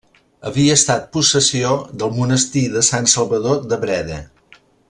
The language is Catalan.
Havia estat possessió del monestir de Sant Salvador de Breda.